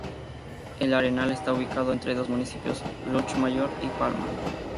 El Arenal está ubicado entre dos municipios, Lluchmayor y Palma.